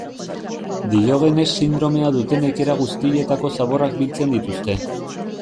Diogenes sindromea dutenek era guztietako zaborrak biltzen dituzte.